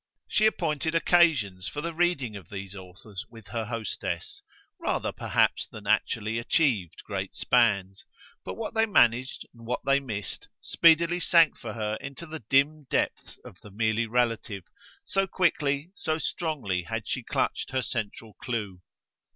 She appointed occasions for the reading of these authors with her hostess, rather perhaps than actually achieved great spans; but what they managed and what they missed speedily sank for her into the dim depths of the merely relative, so quickly, so strongly had she clutched her central clue.